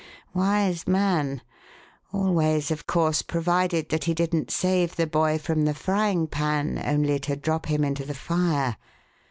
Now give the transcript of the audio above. Wise man always, of course, provided that he didn't save the boy from the frying pan only to drop him into the fire.